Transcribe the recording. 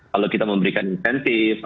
kalau kita memberikan intensif